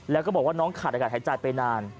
แล้วก็บอกว่าน้องขาดอากาศหายใจไปนาน